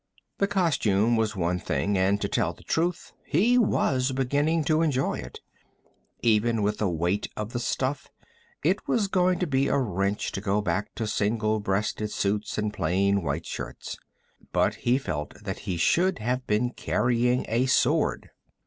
The costume was one thing, and, to tell the truth, he was beginning to enjoy it. Even with the weight of the stuff, it was going to be a wrench to go back to single breasted suits and plain white shirts. But he did feel that he should have been carrying a sword.